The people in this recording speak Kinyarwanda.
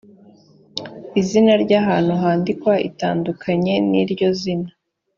izina ry’ahantu yandikwa itandukanye n’iryo zina